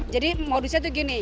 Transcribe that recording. jadi modusnya tuh gini